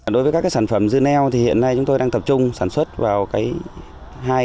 đối với các sản phẩm dưa leo thì hiện nay chúng tôi đang tập trung sản xuất vào cái